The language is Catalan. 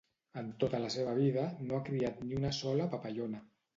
En tota la seva vida no ha criat ni una sola papallona.